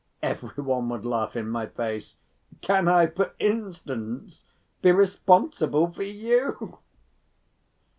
every one would laugh in my face. "Can I, for instance, be responsible for you?"